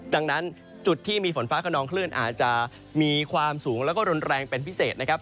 ดังนั้นจุดที่มีฝนฟ้าขนองคลื่นอาจจะมีความสูงแล้วก็รุนแรงเป็นพิเศษนะครับ